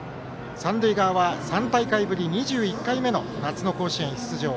三塁側は３大会ぶり２１回目の夏の甲子園出場